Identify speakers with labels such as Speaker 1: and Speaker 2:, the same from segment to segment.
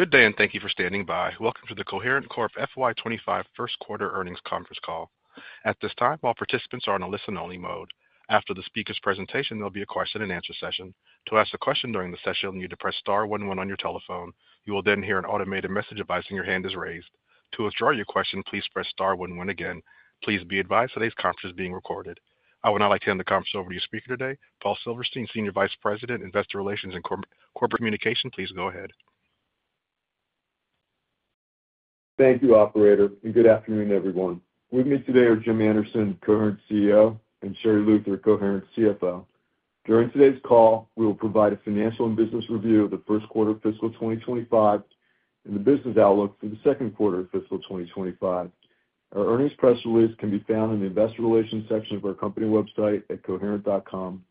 Speaker 1: Good day, and thank you for standing by. Welcome to the Coherent Corp FY25 First Quarter Earnings Conference Call. At this time, all participants are on a listen-only mode. After the speaker's presentation, there'll be a question-and-answer session. To ask a question during the session, you need to press star one one on your telephone. You will then hear an automated message advising your hand is raised. To withdraw your question, please press star one one again. Please be advised today's conference is being recorded. I would now like to hand the conference over to your speaker today, Paul Silverstein, Senior Vice President, Investor Relations and Corporate Communication. Please go ahead.
Speaker 2: Thank you, Operator, and good afternoon, everyone. With me today are Jim Anderson, Coherent CEO, and Sherri Luther, Coherent CFO. During today's call, we will provide a financial and business review of the first quarter of fiscal 2025 and the business outlook for the second quarter of fiscal 2025. Our earnings press release can be found in the Investor Relations section of our company website at coherent.com.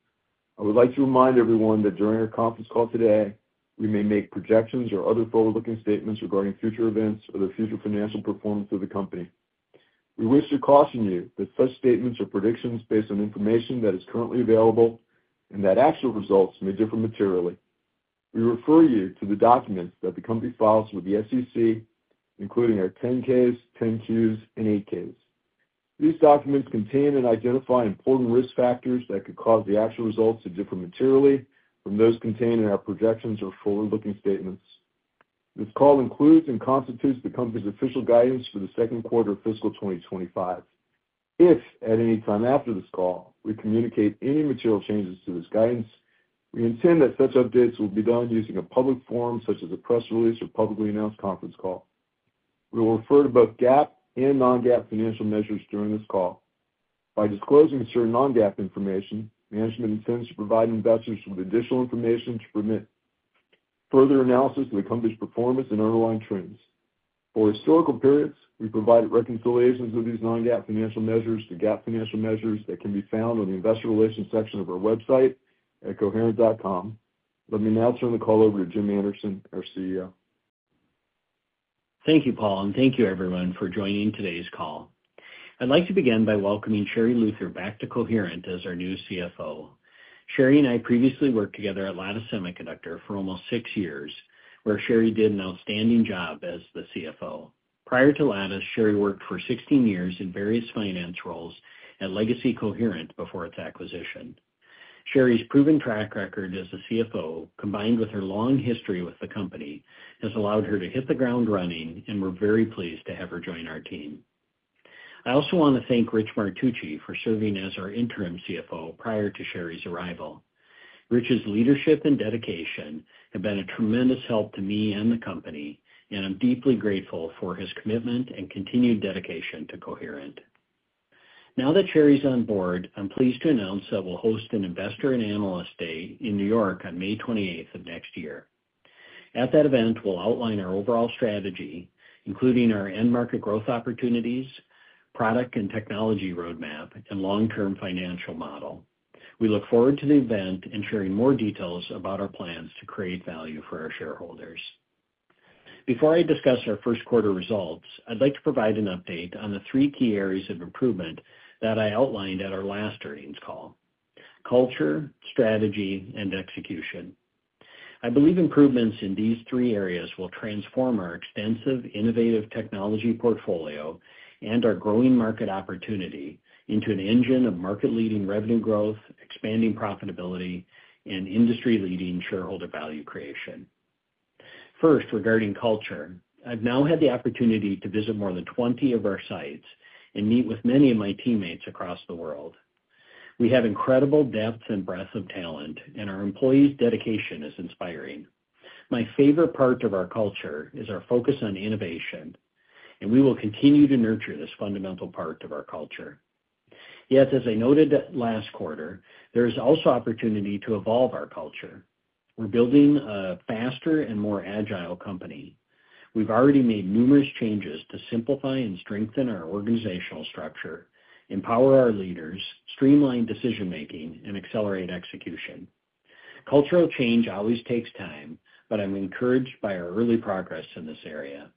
Speaker 2: I would like to remind everyone that during our conference call today, we may make projections or other forward-looking statements regarding future events or the future financial performance of the company. We wish to caution you that such statements are predictions based on information that is currently available and that actual results may differ materially. We refer you to the documents that the company files with the SEC, including our 10-Ks, 10-Qs, and 8-Ks. These documents contain and identify important risk factors that could cause the actual results to differ materially from those contained in our projections or forward-looking statements. This call includes and constitutes the company's official guidance for the second quarter of fiscal 2025. If at any time after this call we communicate any material changes to this guidance, we intend that such updates will be done using a public forum such as a press release or publicly announced conference call. We will refer to both GAAP and non-GAAP financial measures during this call. By disclosing certain non-GAAP information, management intends to provide investors with additional information to permit further analysis of the company's performance and underlying trends. For historical periods, we provided reconciliations of these non-GAAP financial measures to GAAP financial measures that can be found on the Investor Relations section of our website at coherent.com. Let me now turn the call over to Jim Anderson, our CEO.
Speaker 3: Thank you, Paul, and thank you, everyone, for joining today's call. I'd like to begin by welcoming Sherri Luther back to Coherent as our new CFO. Sherri and I previously worked together at Lattice Semiconductor for almost six years, where Sherri did an outstanding job as the CFO. Prior to Lattice, Sherri worked for 16 years in various finance roles at Legacy Coherent before its acquisition. Sherri's proven track record as a CFO, combined with her long history with the company, has allowed her to hit the ground running, and we're very pleased to have her join our team. I also want to thank Rich Martucci for serving as our interim CFO prior to Sherri's arrival. Rich's leadership and dedication have been a tremendous help to me and the company, and I'm deeply grateful for his commitment and continued dedication to Coherent. Now that Sherri's on board, I'm pleased to announce that we'll host an Investor and Analyst Day in New York on May 28th of next year. At that event, we'll outline our overall strategy, including our end-market growth opportunities, product and technology roadmap, and long-term financial model. We look forward to the event and sharing more details about our plans to create value for our shareholders. Before I discuss our first quarter results, I'd like to provide an update on the three key areas of improvement that I outlined at our last earnings call: culture, strategy, and execution. I believe improvements in these three areas will transform our extensive, innovative technology portfolio and our growing market opportunity into an engine of market-leading revenue growth, expanding profitability, and industry-leading shareholder value creation. First, regarding culture, I've now had the opportunity to visit more than 20 of our sites and meet with many of my teammates across the world. We have incredible depths and breadths of talent, and our employees' dedication is inspiring. My favorite part of our culture is our focus on innovation, and we will continue to nurture this fundamental part of our culture. Yet, as I noted last quarter, there is also opportunity to evolve our culture. We're building a faster and more agile company. We've already made numerous changes to simplify and strengthen our organizational structure, empower our leaders, streamline decision-making, and accelerate execution. Cultural change always takes time, but I'm encouraged by our early progress in this area.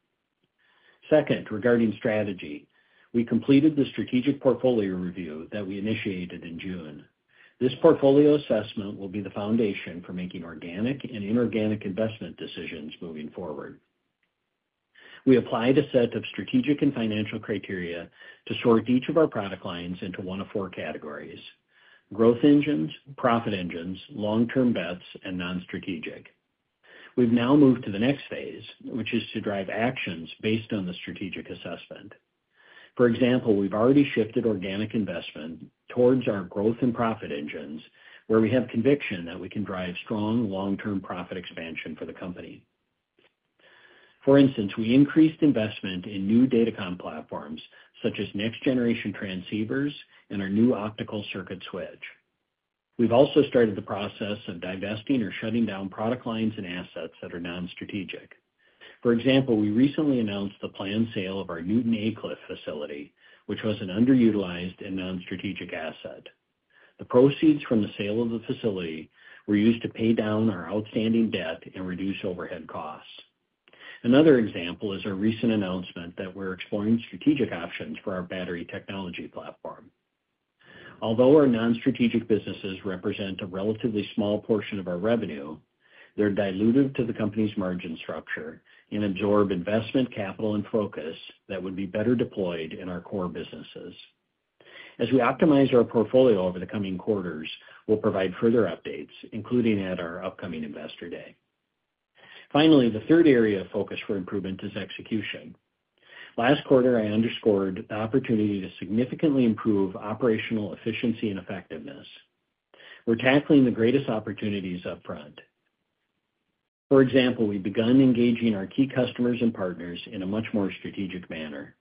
Speaker 3: Second, regarding strategy, we completed the strategic portfolio review that we initiated in June. This portfolio assessment will be the foundation for making organic and inorganic investment decisions moving forward. We applied a set of strategic and financial criteria to sort each of our product lines into one of four categories: growth engines, profit engines, long-term bets, and non-strategic. We've now moved to the next phase, which is to drive actions based on the strategic assessment. For example, we've already shifted organic investment towards our growth and profit engines, where we have conviction that we can drive strong long-term profit expansion for the company. For instance, we increased investment in new Data Comm platforms such as next-generation transceivers and our new optical circuit switch. We've also started the process of divesting or shutting down product lines and assets that are non-strategic. For example, we recently announced the planned sale of our Newton Aycliffe facility, which was an underutilized and non-strategic asset. The proceeds from the sale of the facility were used to pay down our outstanding debt and reduce overhead costs. Another example is our recent announcement that we're exploring strategic options for our battery technology platform. Although our non-strategic businesses represent a relatively small portion of our revenue, they're dilutive to the company's margin structure and absorb investment capital and focus that would be better deployed in our core businesses. As we optimize our portfolio over the coming quarters, we'll provide further updates, including at our upcoming investor day. Finally, the third area of focus for improvement is execution. Last quarter, I underscored the opportunity to significantly improve operational efficiency and effectiveness. We're tackling the greatest opportunities upfront. For example, we've begun engaging our key customers and partners in a much more strategic manner.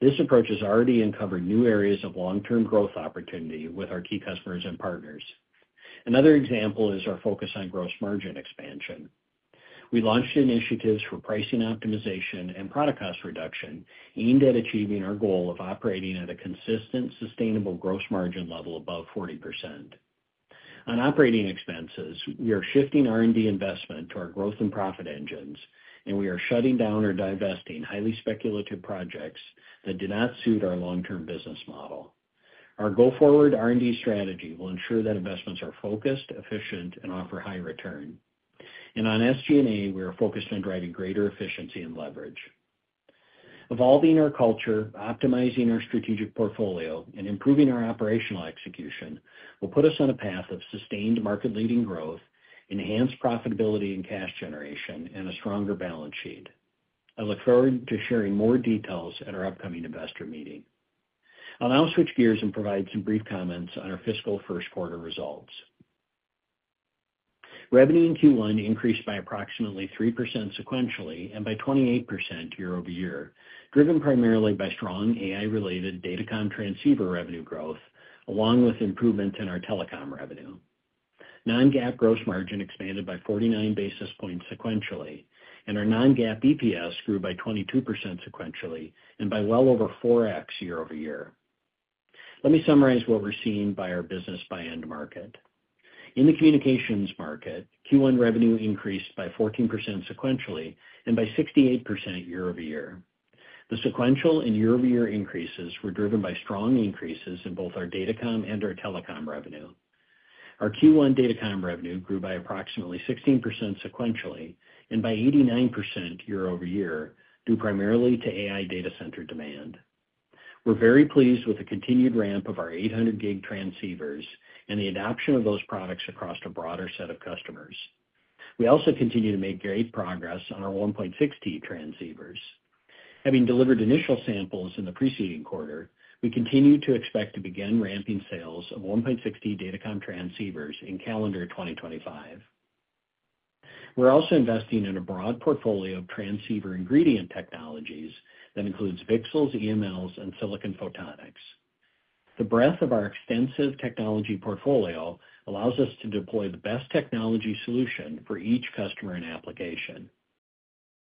Speaker 3: This approach has already uncovered new areas of long-term growth opportunity with our key customers and partners. Another example is our focus on gross margin expansion. We launched initiatives for pricing optimization and product cost reduction aimed at achieving our goal of operating at a consistent, sustainable gross margin level above 40%. On operating expenses, we are shifting R&D investment to our growth and profit engines, and we are shutting down or divesting highly speculative projects that do not suit our long-term business model. Our go-forward R&D strategy will ensure that investments are focused, efficient, and offer high return, and on SG&A, we are focused on driving greater efficiency and leverage. Evolving our culture, optimizing our strategic portfolio, and improving our operational execution will put us on a path of sustained market-leading growth, enhanced profitability and cash generation, and a stronger balance sheet. I look forward to sharing more details at our upcoming investor meeting. I'll now switch gears and provide some brief comments on our fiscal first quarter results. Revenue in Q1 increased by approximately 3% sequentially and by 28% year over year, driven primarily by strong AI-related datacom transceiver revenue growth, along with improvements in our telecom revenue. Non-GAAP gross margin expanded by 49 basis points sequentially, and our Non-GAAP EPS grew by 22% sequentially and by well over 4X year over year. Let me summarize what we're seeing by our business by end market. In the communications market, Q1 revenue increased by 14% sequentially and by 68% year over year. The sequential and year-over-year increases were driven by strong increases in both our datacom and our telecom revenue. Our Q1 datacom revenue grew by approximately 16% sequentially and by 89% year over year, due primarily to AI data center demand. We're very pleased with the continued ramp of our 800-gig transceivers and the adoption of those products across a broader set of customers. We also continue to make great progress on our 1.6T transceivers. Having delivered initial samples in the preceding quarter, we continue to expect to begin ramping sales of 1.6T data comm transceivers in calendar 2025. We're also investing in a broad portfolio of transceiver ingredient technologies that includes VCSELs, EMLs, and silicon photonics. The breadth of our extensive technology portfolio allows us to deploy the best technology solution for each customer and application.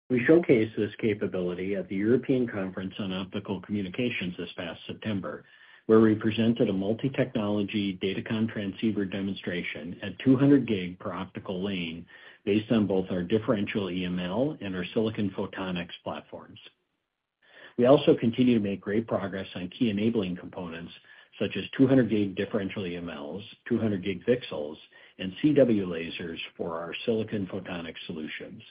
Speaker 3: We showcased this capability at the European Conference on Optical Communication this past September, where we presented a multi-technology data comm transceiver demonstration at 200-gig per optical lane based on both our differential EML and our silicon photonics platforms. We also continue to make great progress on key enabling components such as 200-gig differential EMLs, 200-gig VCSELs, and CW lasers for our silicon photonic solutions.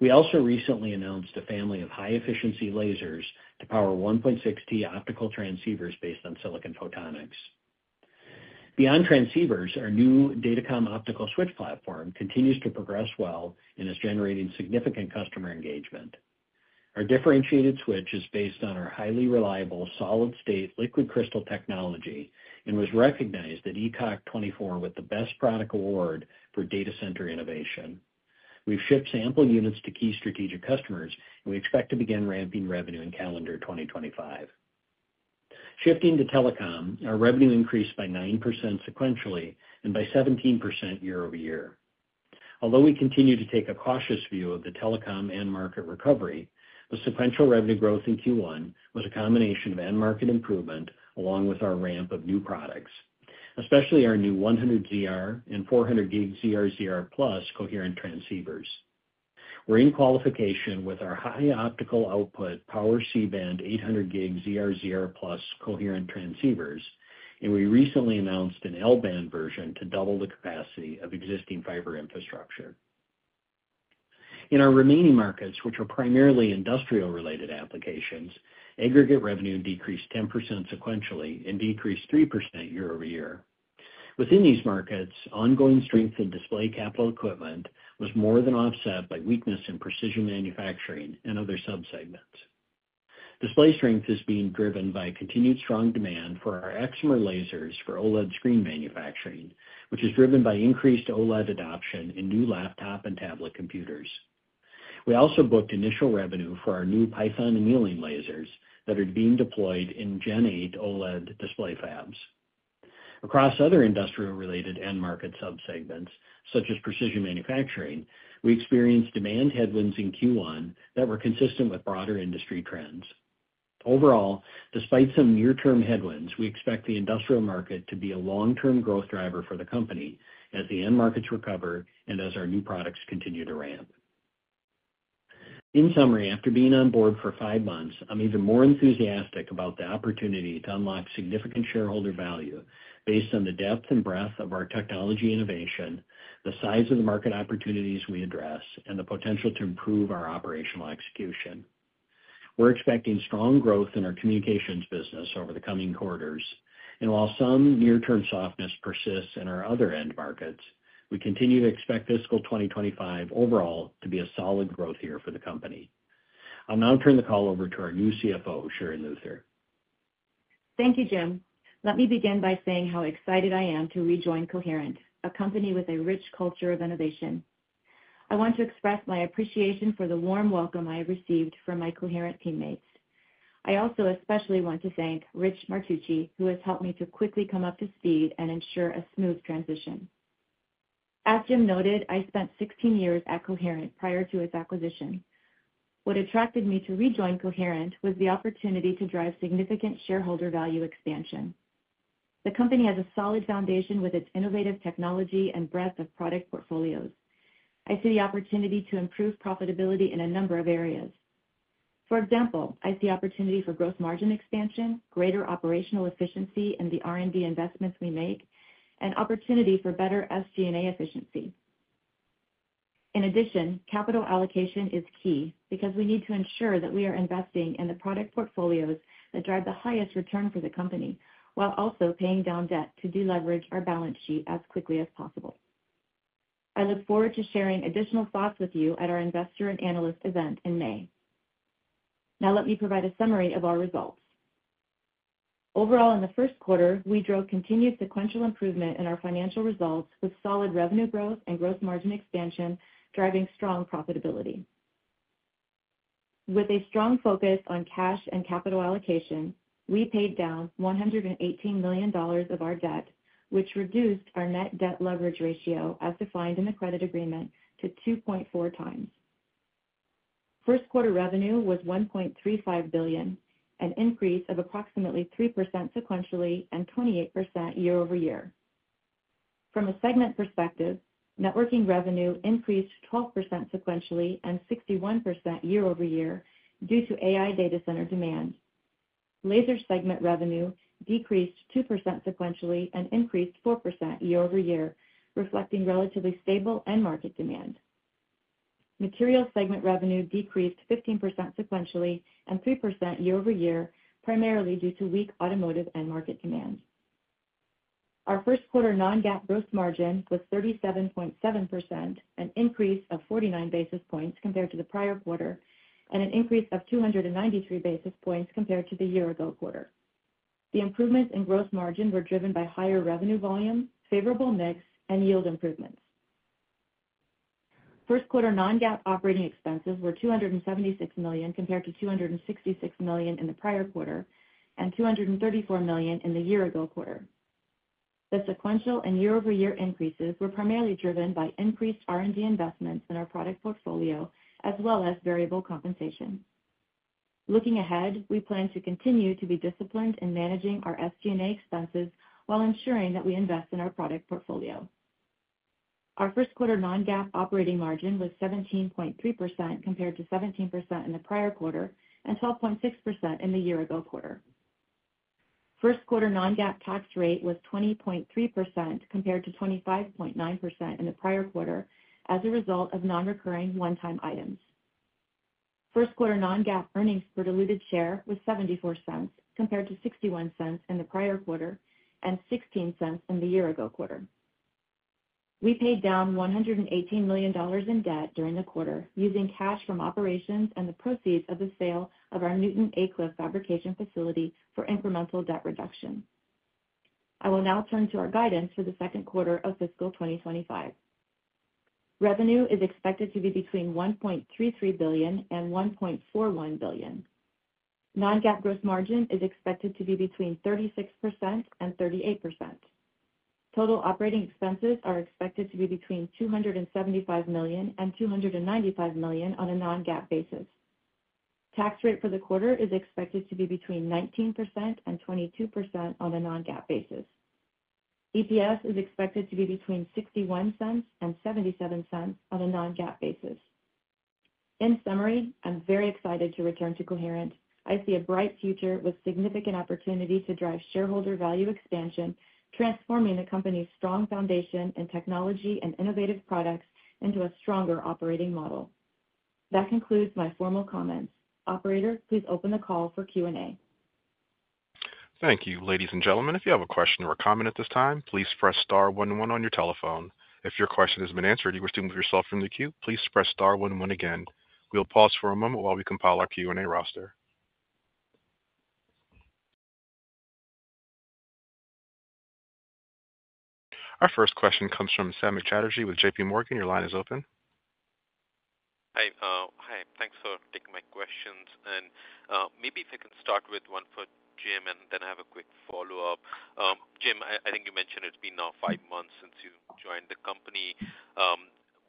Speaker 3: We also recently announced a family of high-efficiency lasers to power 1.6T optical transceivers based on silicon photonics. Beyond transceivers, our new datacom optical switch platform continues to progress well and is generating significant customer engagement. Our differentiated switch is based on our highly reliable solid-state liquid crystal technology and was recognized at ECOC 24 with the Best Product Award for data center innovation. We've shipped sample units to key strategic customers, and we expect to begin ramping revenue in calendar 2025. Shifting to telecom, our revenue increased by 9% sequentially and by 17% year over year. Although we continue to take a cautious view of the telecom end-market recovery, the sequential revenue growth in Q1 was a combination of end-market improvement along with our ramp of new products, especially our new 100ZR and 400G ZR/ZR+ coherent transceivers. We're in qualification with our high optical output power C-band 800-gig ZR/ZR+ coherent transceivers, and we recently announced an L-band version to double the capacity of existing fiber infrastructure. In our remaining markets, which are primarily industrial-related applications, aggregate revenue decreased 10% sequentially and decreased 3% year over year. Within these markets, ongoing strength in display capital equipment was more than offset by weakness in precision manufacturing and other subsegments. Display strength is being driven by continued strong demand for our Excimer lasers for OLED screen manufacturing, which is driven by increased OLED adoption in new laptop and tablet computers. We also booked initial revenue for our new Python annealing lasers that are being deployed in Gen 8 OLED display fabs. Across other industrial-related end-market subsegments, such as precision manufacturing, we experienced demand headwinds in Q1 that were consistent with broader industry trends. Overall, despite some near-term headwinds, we expect the industrial market to be a long-term growth driver for the company as the end markets recover and as our new products continue to ramp. In summary, after being on board for five months, I'm even more enthusiastic about the opportunity to unlock significant shareholder value based on the depth and breadth of our technology innovation, the size of the market opportunities we address, and the potential to improve our operational execution. We're expecting strong growth in our communications business over the coming quarters, and while some near-term softness persists in our other end markets, we continue to expect fiscal 2025 overall to be a solid growth year for the company. I'll now turn the call over to our new CFO, Sherri Luther.
Speaker 4: Thank you, Jim. Let me begin by saying how excited I am to rejoin Coherent, a company with a rich culture of innovation. I want to express my appreciation for the warm welcome I have received from my Coherent teammates. I also especially want to thank Rich Martucci, who has helped me to quickly come up to speed and ensure a smooth transition. As Jim noted, I spent 16 years at Coherent prior to its acquisition. What attracted me to rejoin Coherent was the opportunity to drive significant shareholder value expansion. The company has a solid foundation with its innovative technology and breadth of product portfolios. I see the opportunity to improve profitability in a number of areas. For example, I see opportunity for gross margin expansion, greater operational efficiency in the R&D investments we make, and opportunity for better SG&A efficiency. In addition, capital allocation is key because we need to ensure that we are investing in the product portfolios that drive the highest return for the company while also paying down debt to deleverage our balance sheet as quickly as possible. I look forward to sharing additional thoughts with you at our investor and analyst event in May. Now, let me provide a summary of our results. Overall, in the first quarter, we drove continued sequential improvement in our financial results with solid revenue growth and gross margin expansion driving strong profitability. With a strong focus on cash and capital allocation, we paid down $118 million of our debt, which reduced our net debt leverage ratio as defined in the credit agreement to 2.4 times. First quarter revenue was $1.35 billion, an increase of approximately 3% sequentially and 28% year over year. From a segment perspective, networking revenue increased 12% sequentially and 61% year over year due to AI data center demand. Laser segment revenue decreased 2% sequentially and increased 4% year over year, reflecting relatively stable end-market demand. Material segment revenue decreased 15% sequentially and 3% year over year, primarily due to weak automotive end-market demand. Our first quarter non-GAAP gross margin was 37.7%, an increase of 49 basis points compared to the prior quarter, and an increase of 293 basis points compared to the year-ago quarter. The improvements in gross margin were driven by higher revenue volume, favorable mix, and yield improvements. First quarter non-GAAP operating expenses were $276 million compared to $266 million in the prior quarter and $234 million in the year-ago quarter. The sequential and year-over-year increases were primarily driven by increased R&D investments in our product portfolio as well as variable compensation. Looking ahead, we plan to continue to be disciplined in managing our SG&A expenses while ensuring that we invest in our product portfolio. Our first quarter non-GAAP operating margin was 17.3% compared to 17% in the prior quarter and 12.6% in the year-ago quarter. First quarter non-GAAP tax rate was 20.3% compared to 25.9% in the prior quarter as a result of non-recurring one-time items. First quarter non-GAAP earnings per diluted share was $0.74 compared to $0.61 in the prior quarter and $0.16 in the year-ago quarter. We paid down $118 million in debt during the quarter using cash from operations and the proceeds of the sale of our Newton Aycliffe fabrication facility for incremental debt reduction. I will now turn to our guidance for the second quarter of fiscal 2025. Revenue is expected to be between $1.33 billion and $1.41 billion. Non-GAAP gross margin is expected to be between 36% and 38%. Total operating expenses are expected to be between $275 million and $295 million on a non-GAAP basis. Tax rate for the quarter is expected to be between 19% and 22% on a non-GAAP basis. EPS is expected to be between $0.61 and $0.77 on a non-GAAP basis. In summary, I'm very excited to return to Coherent. I see a bright future with significant opportunity to drive shareholder value expansion, transforming the company's strong foundation in technology and innovative products into a stronger operating model. That concludes my formal comments.
Speaker 1: Operator, please open the call for Q&A. Thank you, ladies and gentlemen. If you have a question or a comment at this time, please press star one one on your telephone. If your question has been answered and you wish to move yourself from the queue, please press star one one again. We'll pause for a moment while we compile our Q&A roster. Our first question comes from Samik Chatterjee with J.P. Morgan. Your line is open.
Speaker 5: Hi. Hi. Thanks for taking my questions. And maybe if I can start with one for Jim and then I have a quick follow-up. Jim, I think you mentioned it's been now five months since you joined the company.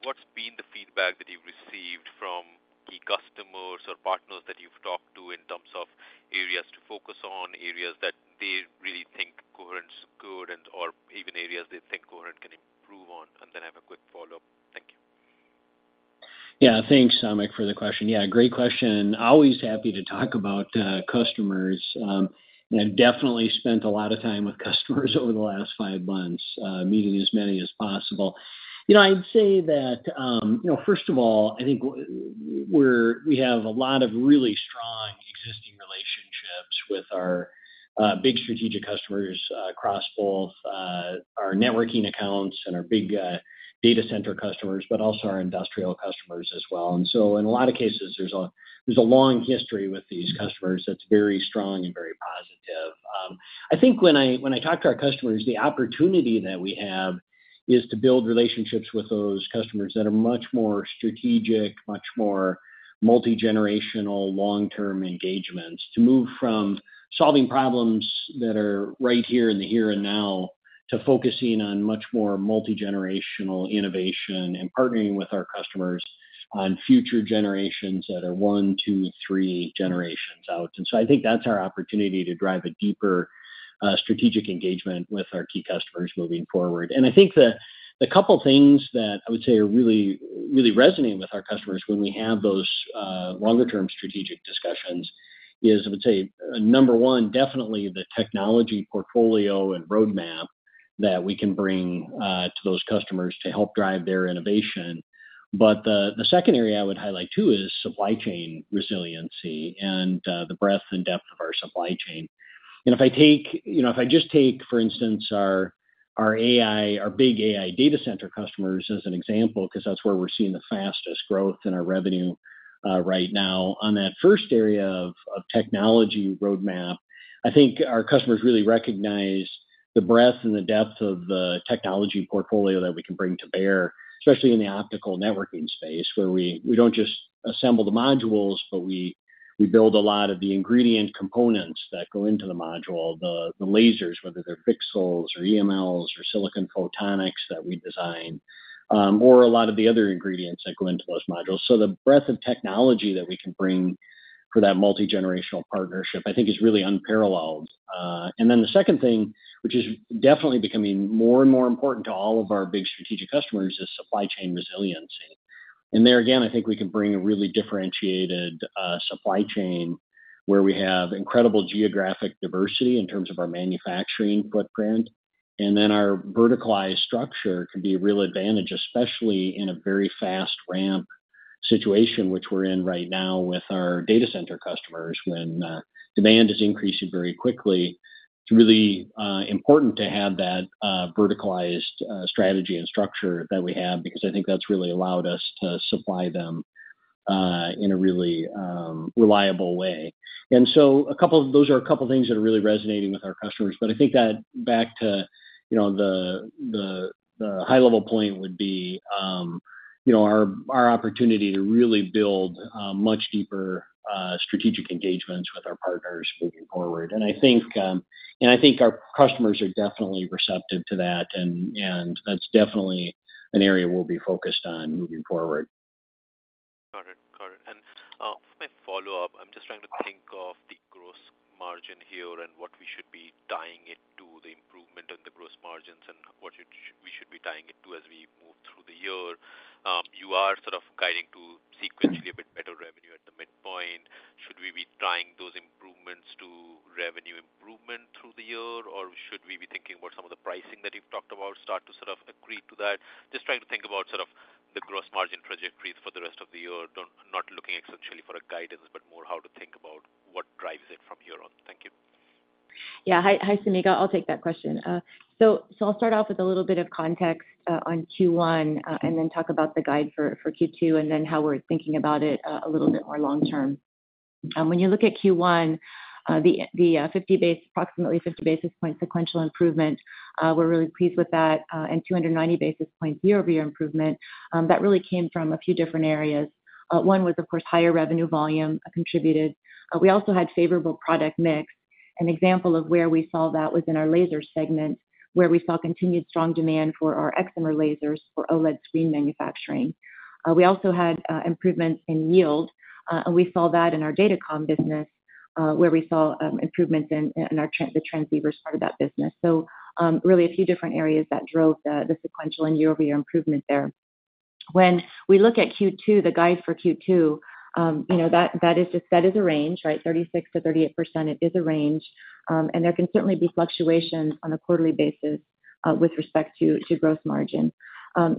Speaker 5: What's been the feedback that you've received from key customers or partners that you've talked to in terms of areas to focus on, areas that they really think Coherent's good, and/or even areas they think Coherent can improve on? And then I have a quick follow-up. Thank you.
Speaker 2: Yeah. Thanks, Sam, for the question. Yeah, great question. Always happy to talk about customers. I've definitely spent a lot of time with customers over the last five months, meeting as many as possible. I'd say that, first of all, I think we have a lot of really strong existing relationships with our big strategic customers across both our networking accounts and our big data center customers, but also our industrial customers as well. And so, in a lot of cases, there's a long history with these customers that's very strong and very positive. I think when I talk to our customers, the opportunity that we have is to build relationships with those customers that are much more strategic, much more multi-generational, long-term engagements, to move from solving problems that are right here in the here and now to focusing on much more multi-generational innovation and partnering with our customers on future generations that are one, two, three generations out. And so I think that's our opportunity to drive a deeper strategic engagement with our key customers moving forward. I think the couple of things that I would say are really resonating with our customers when we have those longer-term strategic discussions is, I would say, number one, definitely the technology portfolio and roadmap that we can bring to those customers to help drive their innovation. The second area I would highlight too is supply chain resiliency and the breadth and depth of our supply chain. And if I just take, for instance, our big AI data center customers as an example, because that's where we're seeing the fastest growth in our revenue right now, on that first area of technology roadmap, I think our customers really recognize the breadth and the depth of the technology portfolio that we can bring to bear, especially in the optical networking space, where we don't just assemble the modules, but we build a lot of the ingredient components that go into the module, the lasers, whether they're VCSELs or EMLs or silicon photonics that we design, or a lot of the other ingredients that go into those modules. So the breadth of technology that we can bring for that multi-generational partnership, I think, is really unparalleled. The second thing, which is definitely becoming more and more important to all of our big strategic customers, is supply chain resiliency. There, again, I think we can bring a really differentiated supply chain where we have incredible geographic diversity in terms of our manufacturing footprint. Our verticalized structure can be a real advantage, especially in a very fast ramp situation, which we're in right now with our data center customers when demand is increasing very quickly. It's really important to have that verticalized strategy and structure that we have because I think that's really allowed us to supply them in a really reliable way. Those are a couple of things that are really resonating with our customers. I think that back to the high-level point would be our opportunity to really build much deeper strategic engagements with our partners moving forward. I think our customers are definitely receptive to that, and that's definitely an area we'll be focused on moving forward.
Speaker 5: Got it. Got it. My follow-up, I'm just trying to think of the gross margin here and what we should be tying it to, the improvement in the gross margins and what we should be tying it to as we move through the year. You are sort of guiding to sequentially a bit better revenue at the midpoint. Should we be tying those improvements to revenue improvement through the year, or should we be thinking about some of the pricing that you've talked about, start to sort of agree to that? Just trying to think about sort of the gross margin trajectories for the rest of the year, not looking essentially for a guidance, but more how to think about what drives it from here on. Thank you.
Speaker 4: Yeah. Hi, Samik. I'll take that question. So I'll start off with a little bit of context on Q1 and then talk about the guide for Q2 and then how we're thinking about it a little bit more long-term. When you look at Q1, the approximately 50 basis point sequential improvement, we're really pleased with that, and 290 basis points year-over-year improvement. That really came from a few different areas. One was, of course, higher revenue volume contributed. We also had favorable product mix. An example of where we saw that was in our laser segment, where we saw continued strong demand for our Excimer lasers for OLED screen manufacturing. We also had improvements in yield, and we saw that in our Datacom business, where we saw improvements in the transceivers part of that business. So really a few different areas that drove the sequential and year-over-year improvement there. When we look at Q2, the guide for Q2, that is a range, right? 36%-38%. It is a range. And there can certainly be fluctuations on a quarterly basis with respect to gross margin.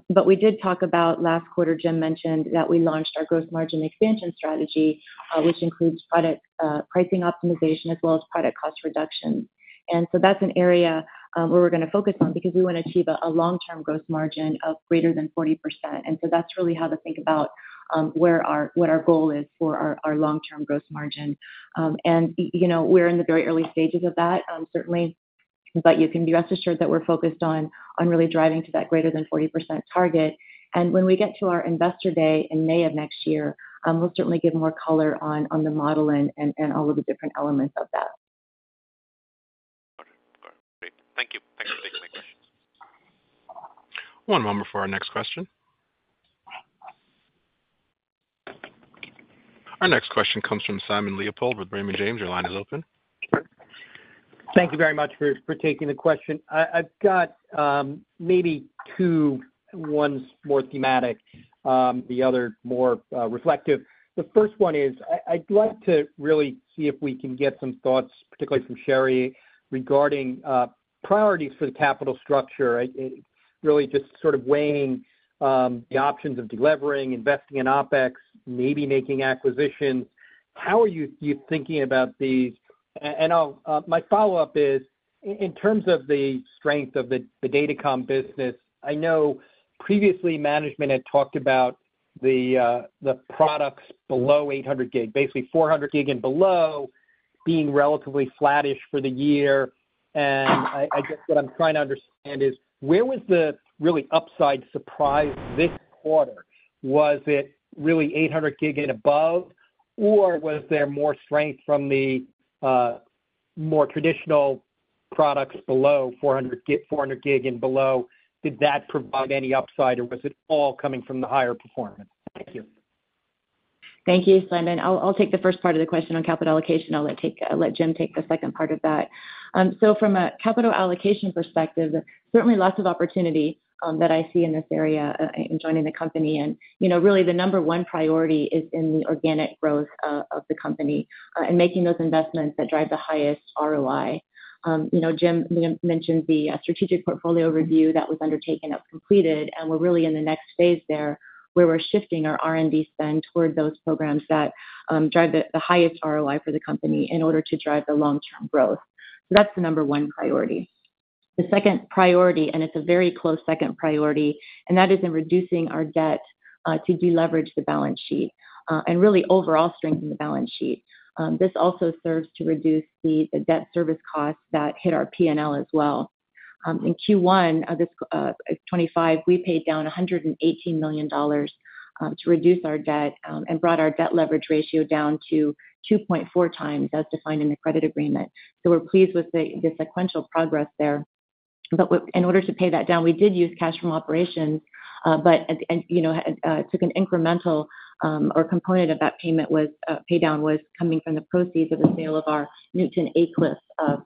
Speaker 4: But we did talk about last quarter, Jim mentioned that we launched our gross margin expansion strategy, which includes product pricing optimization as well as product cost reductions. And so that's an area where we're going to focus on because we want to achieve a long-term gross margin of greater than 40%. And so that's really how to think about what our goal is for our long-term gross margin. And we're in the very early stages of that, certainly. But you can be rest assured that we're focused on really driving to that greater than 40% target. And when we get to our investor day in May of next year, we'll certainly give more color on the model and all of the different elements of that.
Speaker 5: Got it. Got it. Great. Thank you. Thanks for taking my questions.
Speaker 1: One moment for our next question. Our next question comes from Simon Leopold with Raymond James. Your line is open.
Speaker 6: Thank you very much for taking the question. I've got maybe two ones more thematic, the other more reflective. The first one is I'd like to really see if we can get some thoughts, particularly from Sherri, regarding priorities for the capital structure, really just sort of weighing the options of delivering, investing in OpEx, maybe making acquisitions. How are you thinking about these? My follow-up is, in terms of the strength of the data comm business, I know previously management had talked about the products below 800 gig, basically 400 gig and below being relatively flattish for the year. I guess what I'm trying to understand is where was the really upside surprise this quarter? Was it really 800 gig and above, or was there more strength from the more traditional products below 400 gig and below? Did that provide any upside, or was it all coming from the higher performance? Thank you.
Speaker 4: Thank you, Simon. I'll take the first part of the question on capital allocation. I'll let Jim take the second part of that. From a capital allocation perspective, certainly lots of opportunity that I see in this area in joining the company. And really the number one priority is in the organic growth of the company and making those investments that drive the highest ROI. Jim mentioned the strategic portfolio review that was undertaken that was completed, and we're really in the next phase there where we're shifting our R&D spend toward those programs that drive the highest ROI for the company in order to drive the long-term growth. So that's the number one priority. The second priority, and it's a very close second priority, and that is in reducing our debt to deleverage the balance sheet and really overall strengthen the balance sheet. This also serves to reduce the debt service costs that hit our P&L as well. In Q1 of 2025, we paid down $118 million to reduce our debt and brought our debt leverage ratio down to 2.4 times as defined in the credit agreement. We're pleased with the sequential progress there. But in order to pay that down, we did use cash from operations, but an incremental component of that payment was coming from the proceeds of the sale of our Newton Aycliffe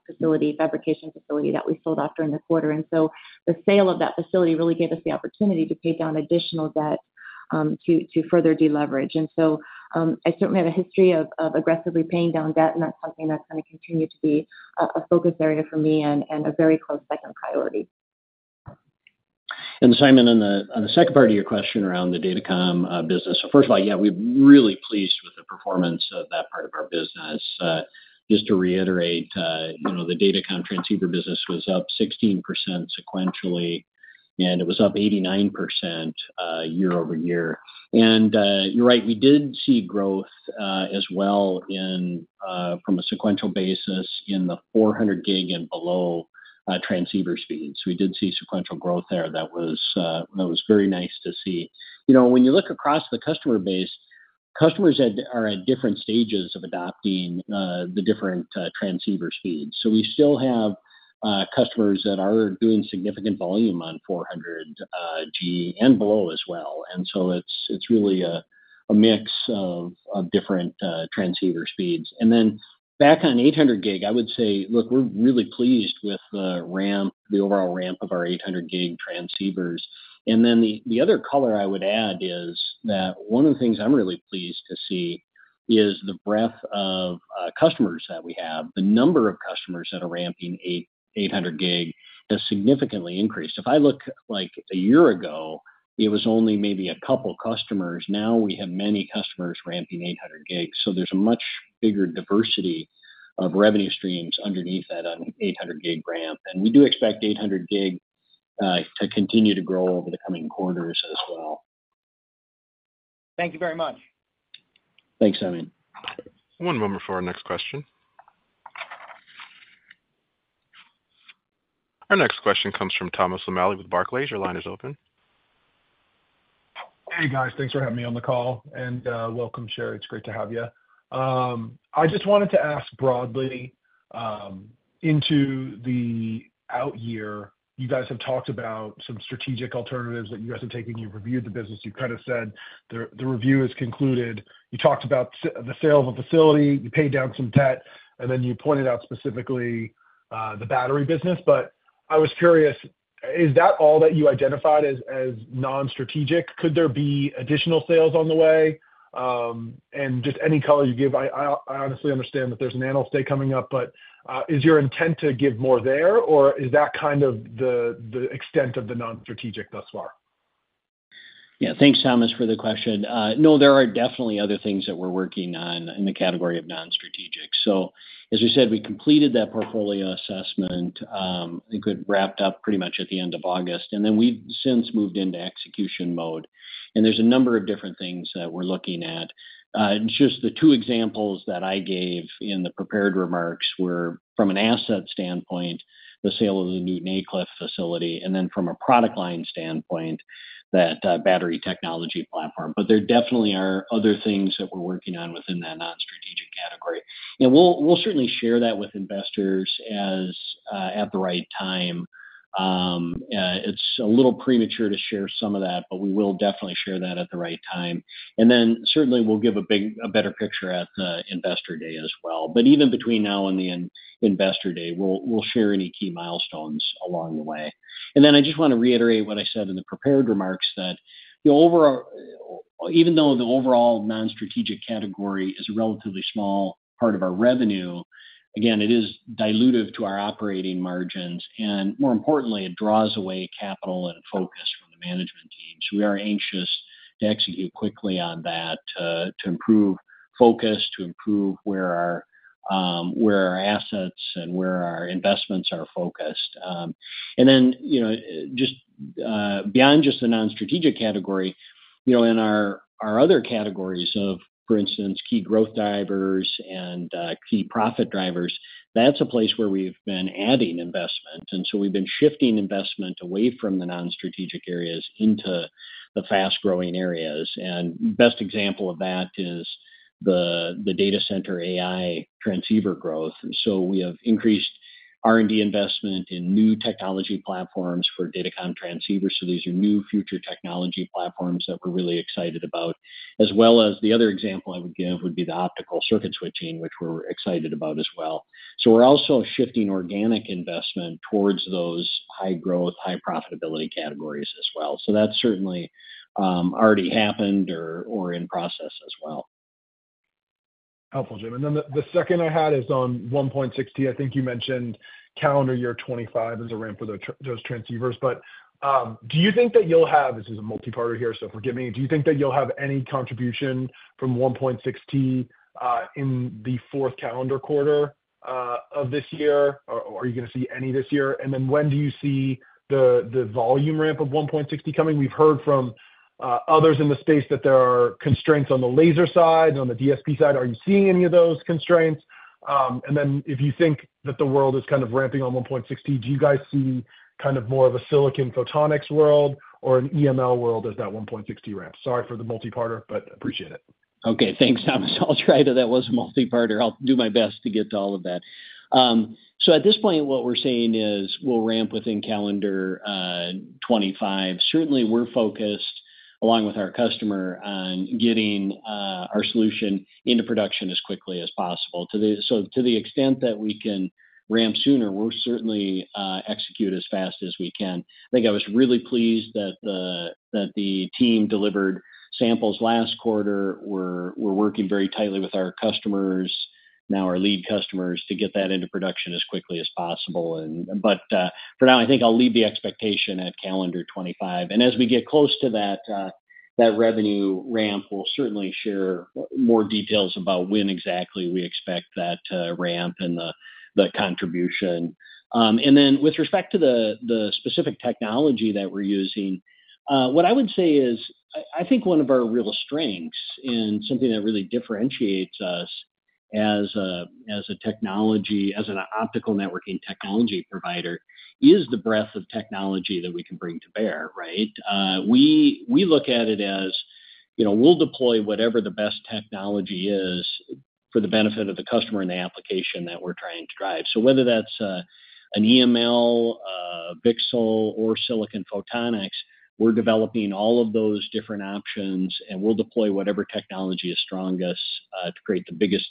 Speaker 4: facility, fabrication facility that we sold off during the quarter. And so the sale of that facility really gave us the opportunity to pay down additional debt to further deleverage. And so I certainly have a history of aggressively paying down debt, and that's something that's going to continue to be a focus area for me and a very close second priority.
Speaker 3: And Simon, on the second part of your question around the data comm business, so first of all, yeah, we're really pleased with the performance of that part of our business. Just to reiterate, the data comm transceiver business was up 16% sequentially, and it was up 89% year-over-year, and you're right, we did see growth as well from a sequential basis in the 400 gig and below transceiver speeds. We did see sequential growth there. That was very nice to see. When you look across the customer base, customers are at different stages of adopting the different transceiver speeds, so we still have customers that are doing significant volume on 400 gig and below as well, and so it's really a mix of different transceiver speeds, and then back on 800 gig, I would say, look, we're really pleased with the overall ramp of our 800 gig transceivers, and then the other color I would add is that one of the things I'm really pleased to see is the breadth of customers that we have. The number of customers that are ramping 800 gig has significantly increased. If I look like a year ago, it was only maybe a couple of customers. Now we have many customers ramping 800 gig. So there's a much bigger diversity of revenue streams underneath that 800 gig ramp. And we do expect 800 gig to continue to grow over the coming quarters as well.
Speaker 6: Thank you very much.
Speaker 3: Thanks, Simon.
Speaker 1: One moment for our next question. Our next question comes from Thomas O'Malley with Barclays. Your line is open.
Speaker 7: Hey, guys. Thanks for having me on the call. And welcome, Sherri. It's great to have you. I just wanted to ask broadly into the out year, you guys have talked about some strategic alternatives that you guys have taken. You've reviewed the business. You've kind of said the review is concluded. You talked about the sale of a facility. You paid down some debt, and then you pointed out specifically the battery business, but I was curious, is that all that you identified as non-strategic? Could there be additional sales on the way? And just any color you give, I honestly understand that there's an analyst day coming up, but is your intent to give more there, or is that kind of the extent of the non-strategic thus far?
Speaker 3: Yeah. Thanks, Thomas, for the question. No, there are definitely other things that we're working on in the category of non-strategic. So as we said, we completed that portfolio assessment. I think we wrapped up pretty much at the end of August, and then we've since moved into execution mode, and there's a number of different things that we're looking at. Just the two examples that I gave in the prepared remarks were from an asset standpoint, the sale of the Newton Aycliffe facility, and then from a product line standpoint, that battery technology platform. But there definitely are other things that we're working on within that non-strategic category. And we'll certainly share that with investors at the right time. It's a little premature to share some of that, but we will definitely share that at the right time. And then certainly we'll give a better picture at the investor day as well. But even between now and the investor day, we'll share any key milestones along the way. And then I just want to reiterate what I said in the prepared remarks that even though the overall non-strategic category is a relatively small part of our revenue, again, it is dilutive to our operating margins. More importantly, it draws away capital and focus from the management team. We are anxious to execute quickly on that to improve focus, to improve where our assets and where our investments are focused. Just beyond just the non-strategic category, in our other categories of, for instance, key growth drivers and key profit drivers, that's a place where we've been adding investment. We've been shifting investment away from the non-strategic areas into the fast-growing areas. Best example of that is the data center AI transceiver growth. We have increased R&D investment in new technology platforms for data comm transceivers. These are new future technology platforms that we're really excited about, as well as the other example I would give would be the optical circuit switching, which we're excited about as well. We're also shifting organic investment towards those high-growth, high-profitability categories as well. That's certainly already happened or in process as well.
Speaker 7: Helpful, Jim. And then the second I had is on 1.6T. I think you mentioned calendar year 2025 as a ramp for those transceivers. But do you think that you'll have, this is a multi-part question here, so forgive me, do you think that you'll have any contribution from 1.6T in the fourth calendar quarter of this year? Are you going to see any this year? And then when do you see the volume ramp of 1.6T coming? We've heard from others in the space that there are constraints on the laser side and on the DSP side. Are you seeing any of those constraints? And then if you think that the world is kind of ramping on 1.6T, do you guys see kind of more of a silicon photonics world or an EML world as that 1.6T ramps? Sorry for the multi-part question, but appreciate it.
Speaker 3: Okay. Thanks, Thomas. I'll try. That was a multi-part question. I'll do my best to get to all of that. So at this point, what we're saying is we'll ramp within calendar 2025. Certainly, we're focused, along with our customer, on getting our solution into production as quickly as possible. So to the extent that we can ramp sooner, we'll certainly execute as fast as we can. I think I was really pleased that the team delivered samples last quarter. We're working very tightly with our customers, now our lead customers, to get that into production as quickly as possible. But for now, I think I'll leave the expectation at calendar 2025. And as we get close to that revenue ramp, we'll certainly share more details about when exactly we expect that ramp and the contribution. And then with respect to the specific technology that we're using, what I would say is I think one of our real strengths and something that really differentiates us as an optical networking technology provider is the breadth of technology that we can bring to bear, right? We look at it as we'll deploy whatever the best technology is for the benefit of the customer and the application that we're trying to drive. So whether that's an EML, a VCSEL, or silicon photonics, we're developing all of those different options, and we'll deploy whatever technology is strongest to create the biggest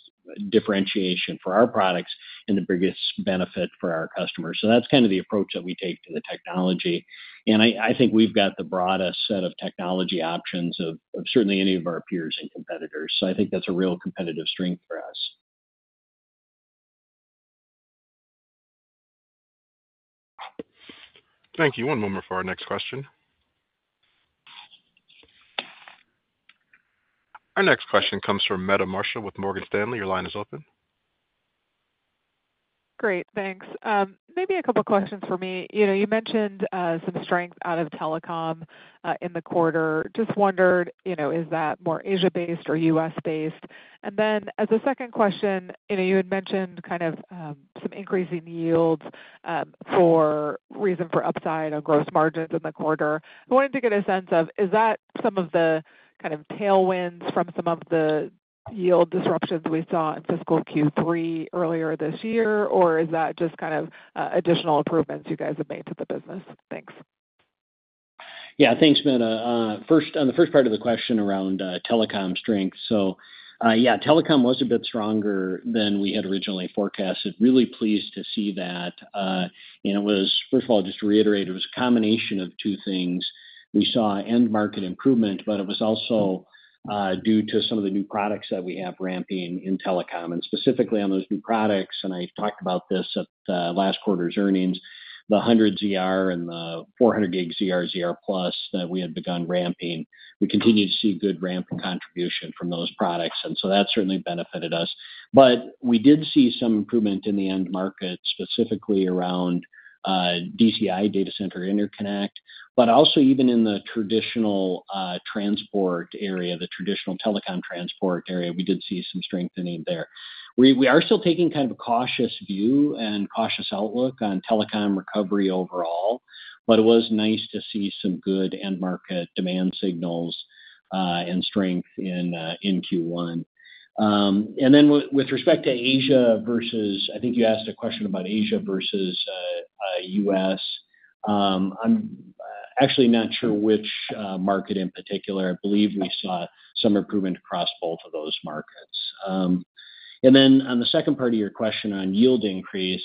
Speaker 3: differentiation for our products and the biggest benefit for our customers. So that's kind of the approach that we take to the technology. And I think we've got the broadest set of technology options of certainly any of our peers and competitors. So I think that's a real competitive strength for us.
Speaker 1: Thank you. One moment for our next question. Our next question comes from Meta Marshall with Morgan Stanley. Your line is open.
Speaker 8: Great. Thanks. Maybe a couple of questions for me. You mentioned some strength out of telecom in the quarter. Just wondered, is that more Asia-based or U.S.-based? And then as a second question, you had mentioned kind of some increasing yields for reason for upside on gross margins in the quarter. I wanted to get a sense of, is that some of the kind of tailwinds from some of the yield disruptions we saw in fiscal Q3 earlier this year, or is that just kind of additional improvements you guys have made to the business? Thanks.
Speaker 3: Yeah. Thanks, Meta. On the first part of the question around telecom strength, so yeah, telecom was a bit stronger than we had originally forecast. Really pleased to see that, and it was, first of all, just to reiterate, it was a combination of two things. We saw end-market improvement, but it was also due to some of the new products that we have ramping in telecom, and specifically on those new products, and I talked about this at last quarter's earnings, the 100 ZR and the 400 gig ZR, ZR Plus that we had begun ramping. We continue to see good ramp contribution from those products, and so that certainly benefited us, but we did see some improvement in the end market, specifically around DCI, data center interconnect, but also even in the traditional transport area, the traditional telecom transport area. We did see some strengthening there. We are still taking kind of a cautious view and cautious outlook on telecom recovery overall, but it was nice to see some good end-market demand signals and strength in Q1, and then with respect to Asia versus. I think you asked a question about Asia versus U.S. I'm actually not sure which market in particular. I believe we saw some improvement across both of those markets, and then on the second part of your question on yield increase.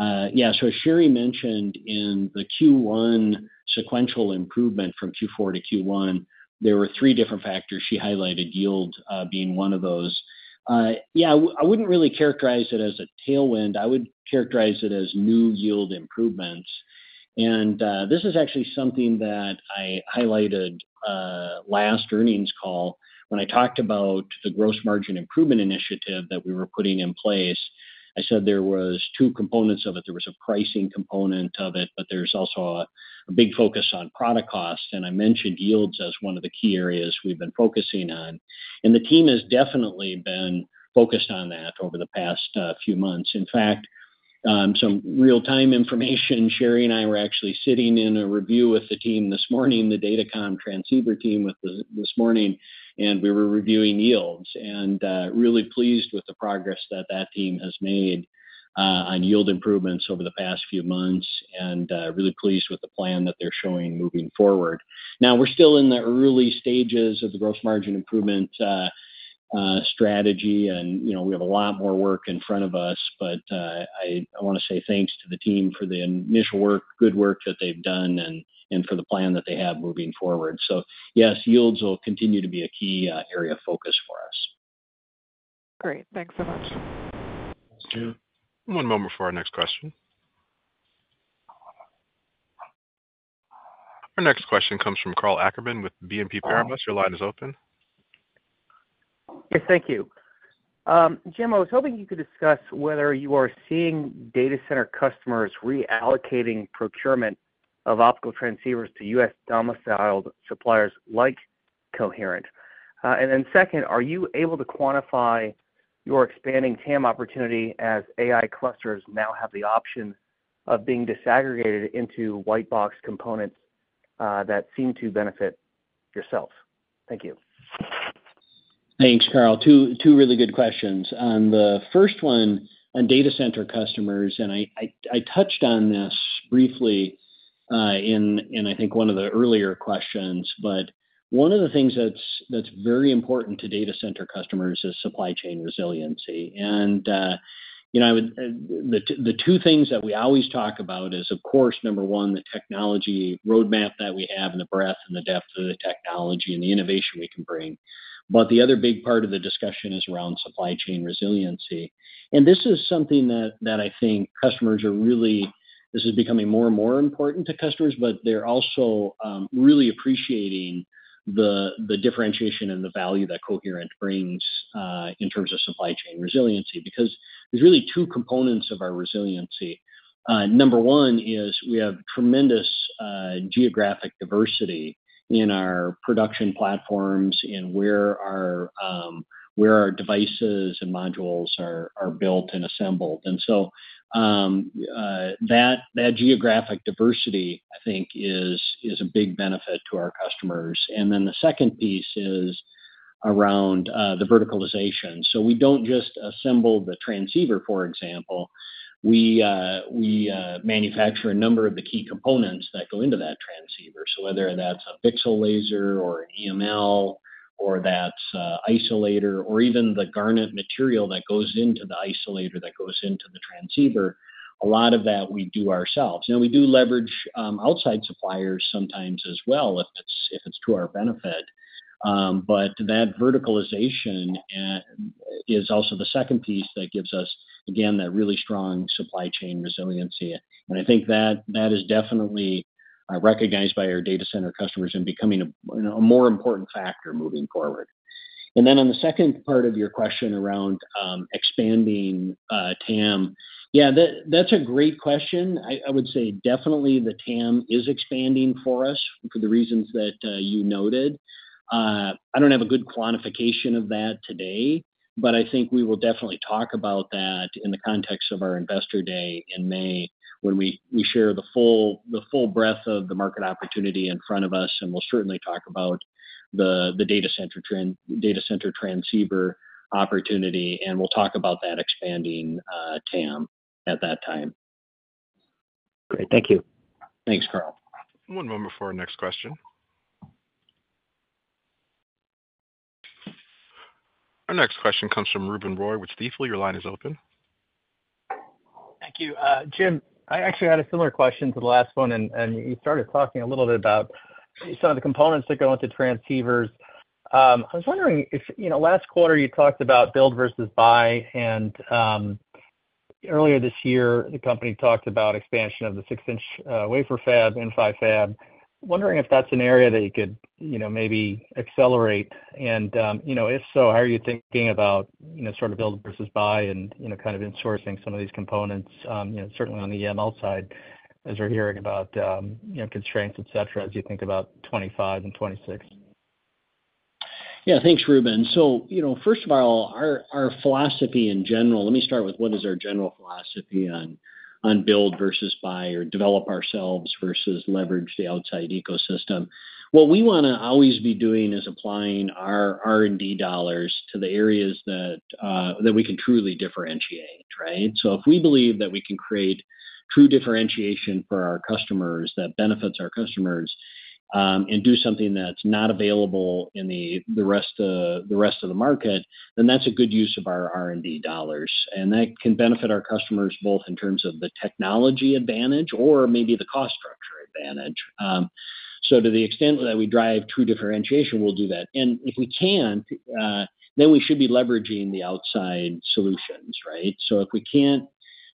Speaker 3: Yeah, so Sherri mentioned in the Q1 sequential improvement from Q4 to Q1, there were three different factors. She highlighted yield being one of those. Yeah, I wouldn't really characterize it as a tailwind. I would characterize it as new yield improvements. And this is actually something that I highlighted last earnings call when I talked about the gross margin improvement initiative that we were putting in place. I said there were two components of it. There was a pricing component of it, but there's also a big focus on product cost. And I mentioned yields as one of the key areas we've been focusing on. And the team has definitely been focused on that over the past few months. In fact, some real-time information, Sherry and I were actually sitting in a review with the team this morning, the data comm transceiver team this morning, and we were reviewing yields. And really pleased with the progress that that team has made on yield improvements over the past few months and really pleased with the plan that they're showing moving forward. Now, we're still in the early stages of the gross margin improvement strategy, and we have a lot more work in front of us. But I want to say thanks to the team for the initial work, good work that they've done, and for the plan that they have moving forward. So yes, yields will continue to be a key area of focus for us.
Speaker 8: Great. Thanks so much.
Speaker 1: Thanks, Jim. One moment for our next question. Our next question comes from Karl Ackerman with BNP Paribas. Your line is open.
Speaker 9: Yes. Thank you. Jim, I was hoping you could discuss whether you are seeing data center customers reallocating procurement of optical transceivers to U.S.-domiciled suppliers like Coherent. And then second, are you able to quantify your expanding TAM opportunity as AI clusters now have the option of being disaggregated into white-box components that seem to benefit yourself? Thank you.
Speaker 3: Thanks, Karl. Two really good questions. The first one on data center customers, and I touched on this briefly in, I think, one of the earlier questions, but one of the things that's very important to data center customers is supply chain resiliency. And the two things that we always talk about is, of course, number one, the technology roadmap that we have and the breadth and the depth of the technology and the innovation we can bring. But the other big part of the discussion is around supply chain resiliency. And this is something that I think. This is becoming more and more important to customers, but they're also really appreciating the differentiation and the value that Coherent brings in terms of supply chain resiliency because there's really two components of our resiliency. Number one is we have tremendous geographic diversity in our production platforms and where our devices and modules are built and assembled. And so that geographic diversity, I think, is a big benefit to our customers. And then the second piece is around the verticalization. So we don't just assemble the transceiver, for example. We manufacture a number of the key components that go into that transceiver. So whether that's a VCSEL laser or an EML or that's an isolator or even the garnet material that goes into the isolator that goes into the transceiver, a lot of that we do ourselves. Now, we do leverage outside suppliers sometimes as well if it's to our benefit, but that verticalization is also the second piece that gives us, again, that really strong supply chain resiliency, and I think that is definitely recognized by our data center customers and becoming a more important factor moving forward, and then on the second part of your question around expanding TAM, yeah, that's a great question. I would say definitely the TAM is expanding for us for the reasons that you noted. I don't have a good quantification of that today, but I think we will definitely talk about that in the context of our investor day in May when we share the full breadth of the market opportunity in front of us, and we'll certainly talk about the data center transceiver opportunity, and we'll talk about that expanding TAM at that time.
Speaker 9: Great. Thank you.
Speaker 3: Thanks, Karl.
Speaker 1: One moment for our next question. Our next question comes from Ruben Roy, with Stifel. Your line is open.
Speaker 10: Thank you. Jim, I actually had a similar question to the last one. And you started talking a little bit about some of the components that go into transceivers. I was wondering if last quarter you talked about build versus buy. And earlier this year, the company talked about expansion of the 6-inch wafer fab, in-house fab. Wondering if that's an area that you could maybe accelerate. And if so, how are you thinking about sort of build versus buy and kind of insourcing some of these components, certainly on the EML side, as we're hearing about constraints, etc., as you think about 2025 and 2026?
Speaker 3: Yeah. Thanks, Ruben. So first of all, our philosophy in general. Let me start with what is our general philosophy on build versus buy or develop ourselves versus leverage the outside ecosystem? What we want to always be doing is applying our R&D dollars to the areas that we can truly differentiate, right? So if we believe that we can create true differentiation for our customers that benefits our customers and do something that's not available in the rest of the market, then that's a good use of our R&D dollars. And that can benefit our customers both in terms of the technology advantage or maybe the cost structure advantage. So to the extent that we drive true differentiation, we'll do that. And if we can't, then we should be leveraging the outside solutions, right? So if we can't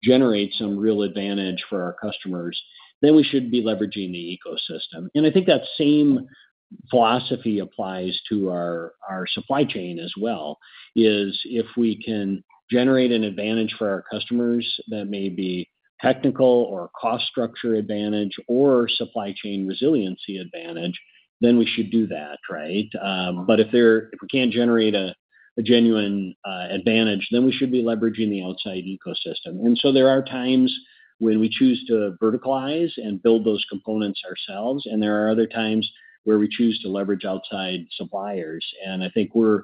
Speaker 3: generate some real advantage for our customers, then we should be leveraging the ecosystem. And I think that same philosophy applies to our supply chain as well, is if we can generate an advantage for our customers that may be technical or cost structure advantage or supply chain resiliency advantage, then we should do that, right? But if we can't generate a genuine advantage, then we should be leveraging the outside ecosystem. And so there are times when we choose to verticalize and build those components ourselves, and there are other times where we choose to leverage outside suppliers. And I think we're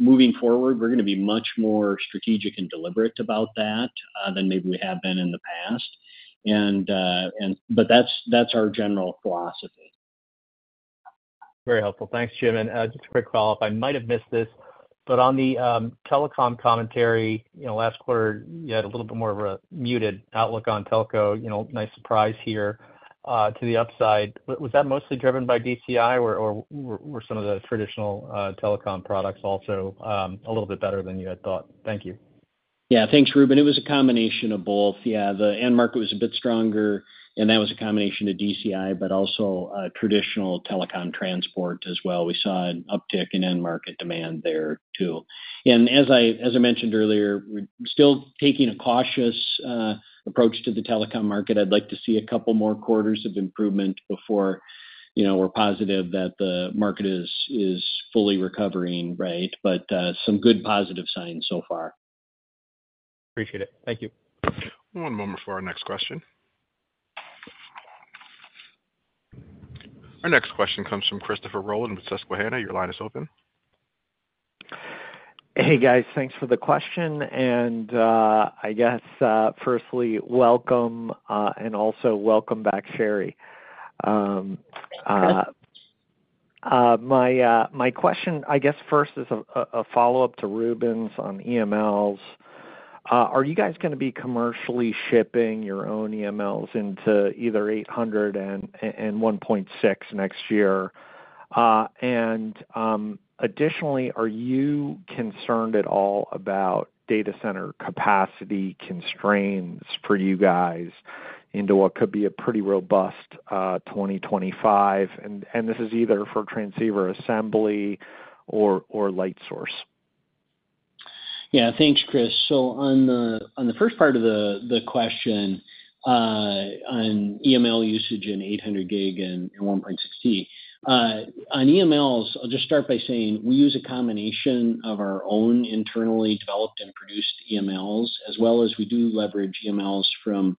Speaker 3: moving forward. We're going to be much more strategic and deliberate about that than maybe we have been in the past. But that's our general philosophy.
Speaker 10: Very helpful. Thanks, Jim. And just a quick follow-up. I might have missed this, but on the telecom commentary, last quarter, you had a little bit more of a muted outlook on telco. Nice surprise here to the upside. Was that mostly driven by DCI, or were some of the traditional telecom products also a little bit better than you had thought? Thank you.
Speaker 3: Yeah. Thanks, Ruben. It was a combination of both. Yeah. The end market was a bit stronger, and that was a combination of DCI, but also traditional telecom transport as well. We saw an uptick in end market demand there too. And as I mentioned earlier, we're still taking a cautious approach to the telecom market. I'd like to see a couple more quarters of improvement before we're positive that the market is fully recovering, right? But some good positive signs so far.
Speaker 10: Appreciate it. Thank you.
Speaker 1: One moment for our next question. Our next question comes from Christopher Rolland with Susquehanna. Your line is open. Hey, guys.
Speaker 11: Thanks for the question. I guess, firstly, welcome and also welcome back, Sherri. My question, I guess, first is a follow-up to Ruben's on EMLs. Are you guys going to be commercially shipping your own EMLs into either 800 and 1.6 next year? And additionally, are you concerned at all about data center capacity constraints for you guys into what could be a pretty robust 2025? And this is either for transceiver assembly or light source.
Speaker 3: Yeah. Thanks, Chris. So on the first part of the question on EML usage in 800 gig and 1.6T, on EMLs, I'll just start by saying we use a combination of our own internally developed and produced EMLs, as well as we do leverage EMLs from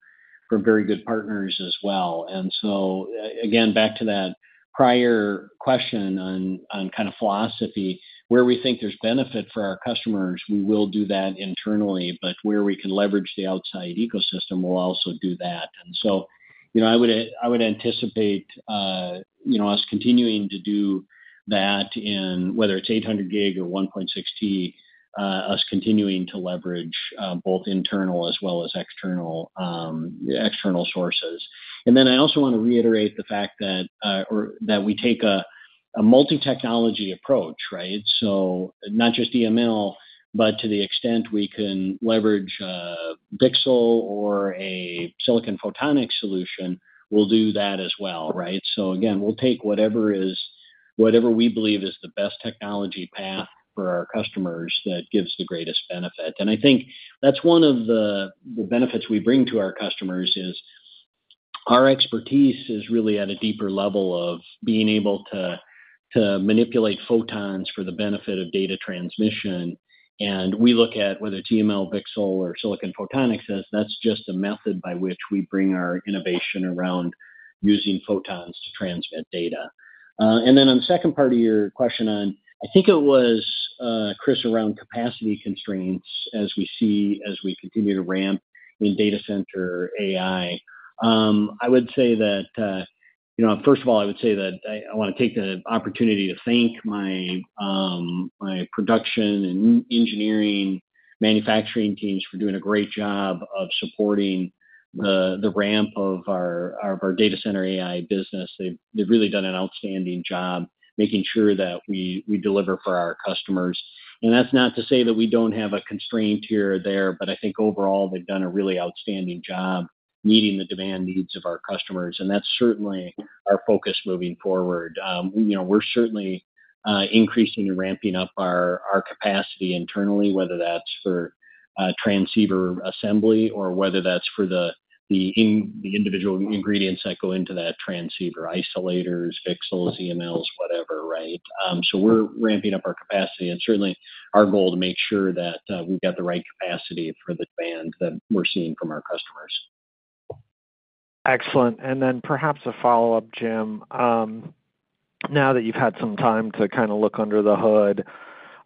Speaker 3: very good partners as well. And so again, back to that prior question on kind of philosophy, where we think there's benefit for our customers, we will do that internally. But where we can leverage the outside ecosystem, we'll also do that. And so I would anticipate us continuing to do that in whether it's 800 gig or 1.6T, us continuing to leverage both internal as well as external sources. And then I also want to reiterate the fact that we take a multi-technology approach, right? So not just EML, but to the extent we can leverage VCSEL or a silicon photonic solution, we'll do that as well, right? So again, we'll take whatever we believe is the best technology path for our customers that gives the greatest benefit. And I think that's one of the benefits we bring to our customers is our expertise is really at a deeper level of being able to manipulate photons for the benefit of data transmission. And we look at whether it's EML, VCSEL, or silicon photonics. That's just a method by which we bring our innovation around using photons to transmit data. And then on the second part of your question on, I think it was, Chris, around capacity constraints as we continue to ramp in data center AI. I would say that first of all, I would say that I want to take the opportunity to thank my production and engineering manufacturing teams for doing a great job of supporting the ramp of our data center AI business. They've really done an outstanding job making sure that we deliver for our customers. And that's not to say that we don't have a constraint here or there, but I think overall, they've done a really outstanding job meeting the demand needs of our customers. And that's certainly our focus moving forward. We're certainly increasing and ramping up our capacity internally, whether that's for transceiver assembly or whether that's for the individual ingredients that go into that transceiver: isolators, VCSELs, EMLs, whatever, right? So we're ramping up our capacity. And certainly, our goal is to make sure that we've got the right capacity for the demand that we're seeing from our customers.
Speaker 11: Excellent. And then perhaps a follow-up, Jim. Now that you've had some time to kind of look under the hood,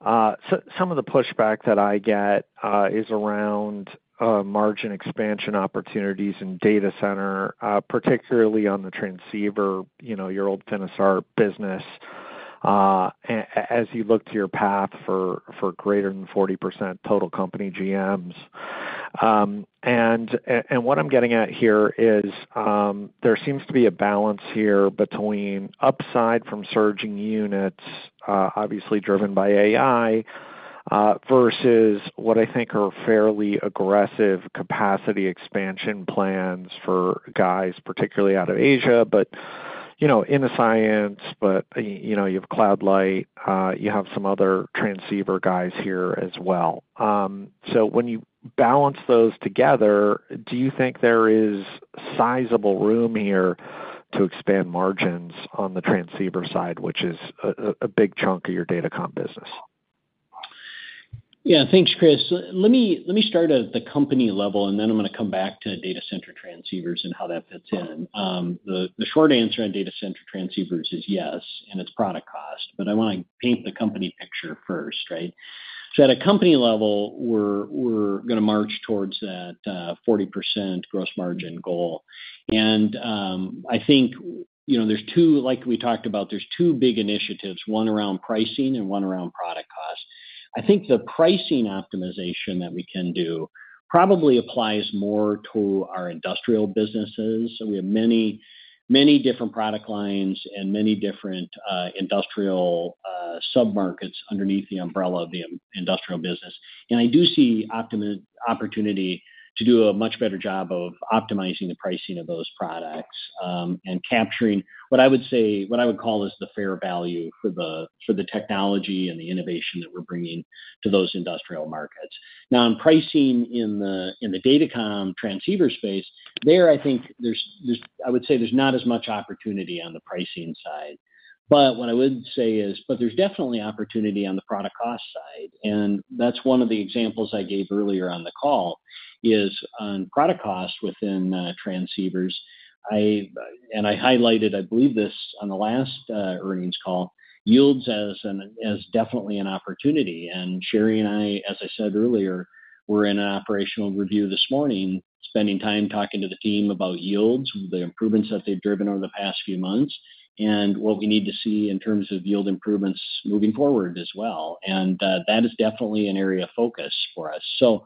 Speaker 11: some of the pushback that I get is around margin expansion opportunities in data center, particularly on the transceiver, your old Finisar business, as you look to your path for greater than 40% total company GMs. What I'm getting at here is there seems to be a balance here between upside from surging units, obviously driven by AI, versus what I think are fairly aggressive capacity expansion plans for guys, particularly out of Asia, but in the space, but you have CloudLight. You have some other transceiver guys here as well. So when you balance those together, do you think there is sizable room here to expand margins on the transceiver side, which is a big chunk of your datacom business?
Speaker 3: Yeah. Thanks, Chris. Let me start at the company level, and then I'm going to come back to data center transceivers and how that fits in. The short answer on data center transceivers is yes, and it's product cost. But I want to paint the company picture first, right? So at a company level, we're going to march towards that 40% gross margin goal. And I think there's two, like we talked about, there's two big initiatives, one around pricing and one around product cost. I think the pricing optimization that we can do probably applies more to our industrial businesses. We have many different product lines and many different industrial submarkets underneath the umbrella of the industrial business. And I do see opportunity to do a much better job of optimizing the pricing of those products and capturing what I would say, what I would call as the fair value for the technology and the innovation that we're bringing to those industrial markets. Now, in pricing in the datacom transceiver space, there, I think, I would say there's not as much opportunity on the pricing side. But what I would say is, there's definitely opportunity on the product cost side. And that's one of the examples I gave earlier on the call is on product cost within transceivers. And I highlighted, I believe, this on the last earnings call, yields is definitely an opportunity. And Sherri and I, as I said earlier, were in an operational review this morning, spending time talking to the team about yields, the improvements that they've driven over the past few months, and what we need to see in terms of yield improvements moving forward as well. And that is definitely an area of focus for us. So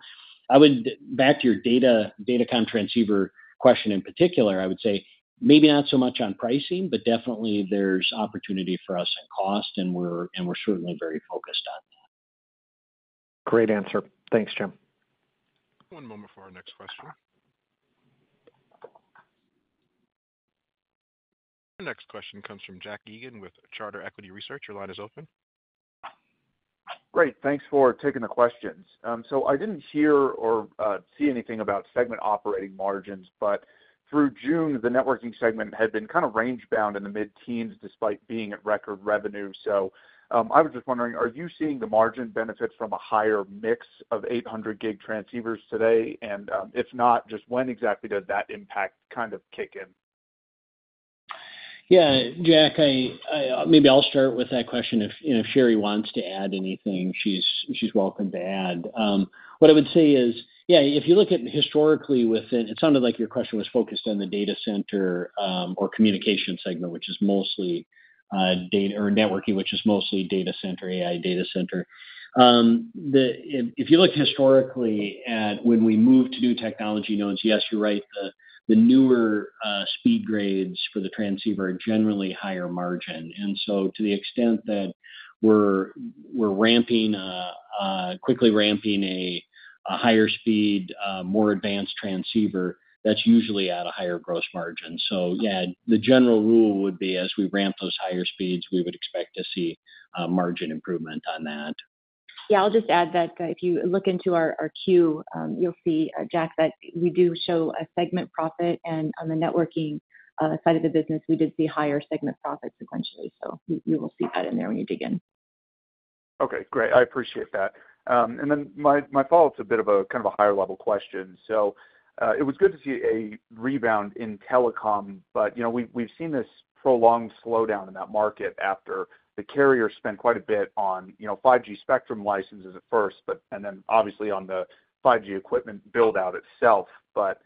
Speaker 3: back to your datacom transceiver question in particular, I would say maybe not so much on pricing, but definitely there's opportunity for us in cost, and we're certainly very focused on that.
Speaker 11: Great answer. Thanks, Jim.
Speaker 1: One moment for our next question. Our next question comes from Jack Egan with Charter Equity Research. Your line is open.
Speaker 12: Great. Thanks for taking the questions. So I didn't hear or see anything about segment operating margins, but through June, the networking segment had been kind of range-bound in the mid-teens despite being at record revenue. So I was just wondering, are you seeing the margin benefit from a higher mix of 800 gig transceivers today? And if not, just when exactly does that impact kind of kick in?
Speaker 3: Yeah. Jack, maybe I'll start with that question. If Sherri wants to add anything, she's welcome to add. What I would say is, yeah, if you look at historically within it sounded like your question was focused on the data center or communication segment, which is mostly data or networking, which is mostly data center, AI data center. If you look historically at when we move to new technology nodes, yes, you're right, the newer speed grades for the transceiver are generally higher margin. And so to the extent that we're quickly ramping a higher speed, more advanced transceiver, that's usually at a higher gross margin. So yeah, the general rule would be as we ramp those higher speeds, we would expect to see margin improvement on that.
Speaker 4: Yeah. I'll just add that if you look into our Q, you'll see, Jack, that we do show a segment profit. And on the networking side of the business, we did see higher segment profit sequentially. So you will see that in there when you dig in.
Speaker 12: Okay. Great. I appreciate that. And then my follow-up is a bit of a kind of a higher-level question. So it was good to see a rebound in telecom, but we've seen this prolonged slowdown in that market after the carrier spent quite a bit on 5G spectrum licenses at first, and then obviously on the 5G equipment build-out itself. But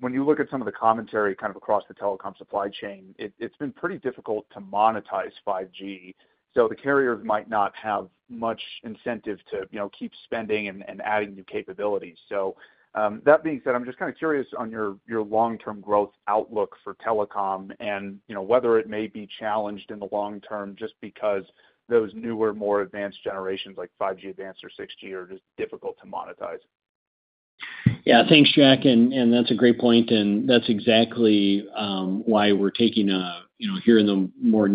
Speaker 12: when you look at some of the commentary kind of across the telecom supply chain, it's been pretty difficult to monetize 5G. So the carriers might not have much incentive to keep spending and adding new capabilities. So that being said, I'm just kind of curious on your long-term growth outlook for telecom and whether it may be challenged in the long term just because those newer, more advanced generations like 5G Advanced or 6G are just difficult to monetize.
Speaker 3: Yeah. Thanks, Jack, and that's a great point. That's exactly why we're taking a more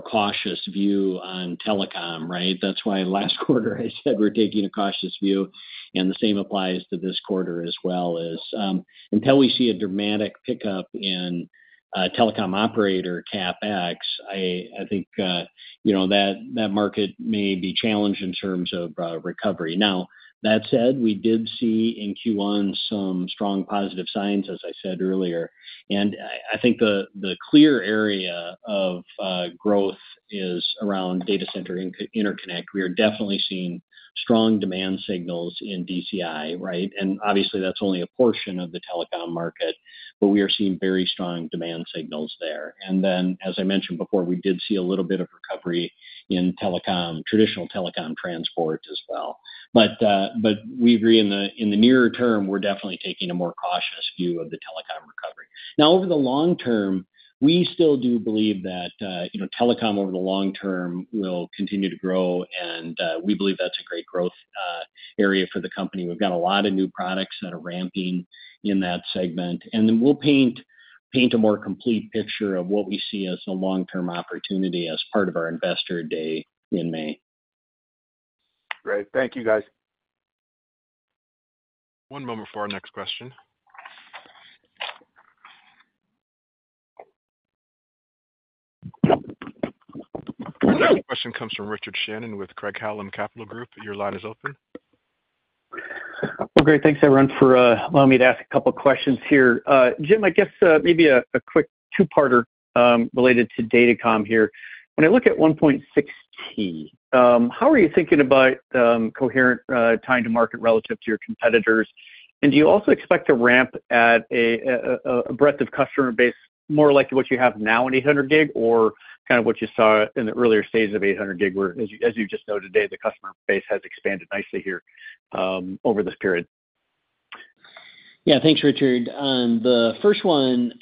Speaker 3: cautious view on telecom, right? That's why last quarter I said we're taking a cautious view. The same applies to this quarter as well. Until we see a dramatic pickup in telecom operator CapEx, I think that market may be challenged in terms of recovery. Now, that said, we did see in Q1 some strong positive signs, as I said earlier. I think the clear area of growth is around data center interconnect. We are definitely seeing strong demand signals in DCI, right? Obviously, that's only a portion of the telecom market, but we are seeing very strong demand signals there. As I mentioned before, we did see a little bit of recovery in traditional telecom transport as well. But we agree in the nearer term, we're definitely taking a more cautious view of the telecom recovery. Now, over the long term, we still do believe that telecom over the long term will continue to grow. And we believe that's a great growth area for the company. We've got a lot of new products that are ramping in that segment. And then we'll paint a more complete picture of what we see as a long-term opportunity as part of our investor day in May.
Speaker 1: Great. Thank you, guys. One moment for our next question. Another question comes from Richard Shannon with Craig-Hallum Capital Group. Your line is open.
Speaker 13: Well, great. Thanks, everyone, for allowing me to ask a couple of questions here. Jim, I guess maybe a quick two-parter related to datacom here. When I look at 1.6T, how are you thinking about coherent time to market relative to your competitors? And do you also expect to ramp at a breadth of customer base more like what you have now in 800 gig or kind of what you saw in the earlier stages of 800 gig, whereas you just noted today, the customer base has expanded nicely here over this period?
Speaker 3: Yeah. Thanks, Richard. The first one,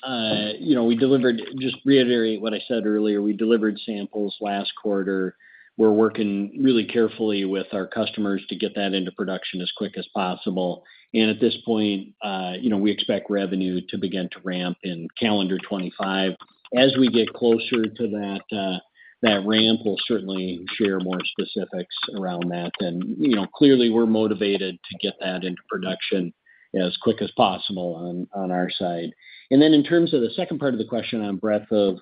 Speaker 3: we delivered, just reiterating what I said earlier. We delivered samples last quarter. We're working really carefully with our customers to get that into production as quick as possible. And at this point, we expect revenue to begin to ramp in calendar 2025. As we get closer to that ramp, we'll certainly share more specifics around that. And clearly, we're motivated to get that into production as quick as possible on our side. And then in terms of the second part of the question on breadth of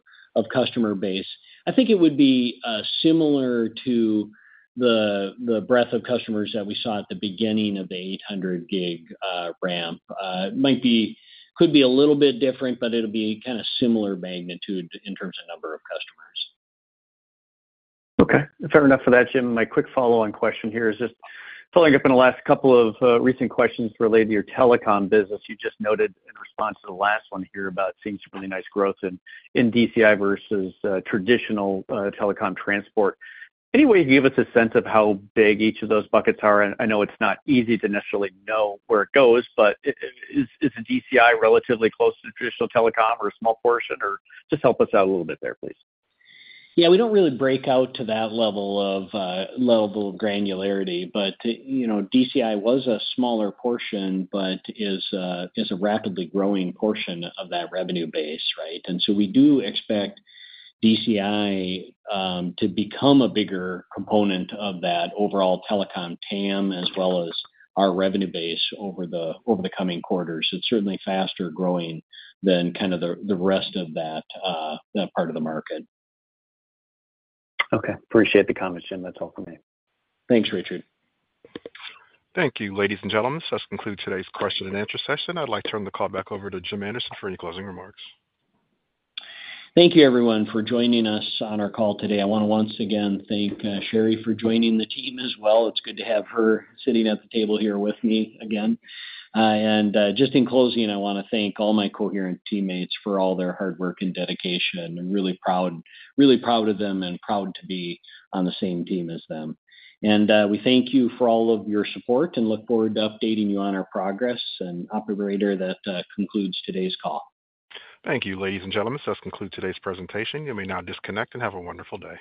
Speaker 3: customer base, I think it would be similar to the breadth of customers that we saw at the beginning of the 800 gig ramp. It could be a little bit different, but it'll be kind of similar magnitude in terms of number of customers.
Speaker 13: Okay. Fair enough for that, Jim. My quick follow-on question here is just following up on the last couple of recent questions related to your telecom business. You just noted in response to the last one here about seeing some really nice growth in DCI versus traditional telecom transport. Any way you can give us a sense of how big each of those buckets are? I know it's not easy to necessarily know where it goes, but is DCI relatively close to traditional telecom or a small portion? Just help us out a little bit there, please.
Speaker 3: Yeah. We don't really break out to that level of granularity. But DCI was a smaller portion but is a rapidly growing portion of that revenue base, right? And so we do expect DCI to become a bigger component of that overall telecom TAM as well as our revenue base over the coming quarters. It's certainly faster growing than kind of the rest of that part of the market.
Speaker 13: Okay. Appreciate the comments, Jim. That's all from me.
Speaker 3: Thanks, Richard.
Speaker 1: Thank you, ladies and gentlemen. So that concludes today's question and answer session. I'd like to turn the call back over to Jim Anderson for any closing remarks.
Speaker 3: Thank you, everyone, for joining us on our call today. I want to once again thank Sherri for joining the team as well. It's good to have her sitting at the table here with me again, and just in closing, I want to thank all my Coherent teammates for all their hard work and dedication. I'm really proud of them and proud to be on the same team as them, and we thank you for all of your support and look forward to updating you on our progress, and operator, that concludes today's call.
Speaker 1: Thank you, ladies and gentlemen, so that's concluded today's presentation. You may now disconnect and have a wonderful day.